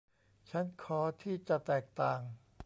ฉันขอที่จะแตกต่าง